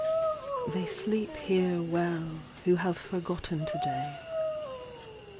They sleep here well who have forgotten to day.